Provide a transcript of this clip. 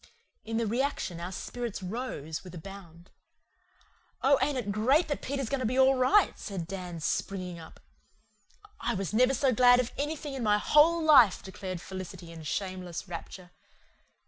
In the reaction our spirits rose with a bound. "Oh, ain't it great that Peter's going to be all right?" said Dan, springing up. "I never was so glad of anything in my whole life," declared Felicity in shameless rapture.